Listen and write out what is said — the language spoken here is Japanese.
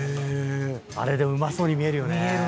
あれでうまそうに見えるよね。